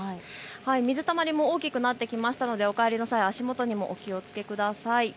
水たまりも大きくなってきましたのでお帰りの際、足元にもお気をつけください。